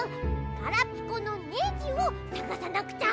ガラピコのネジをさがさなくちゃ。